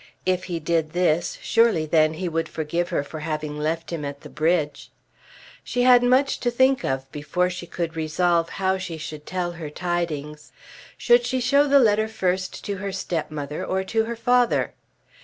If he did this surely then he would forgive her for having left him at the bridge. She had much to think of before she could resolve how she should tell her tidings. Should she show the letter first to her stepmother or to her father?